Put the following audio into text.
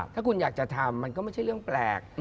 ถ้าคุณอยากจะทำมันก็ไม่ใช่เรื่องแปลก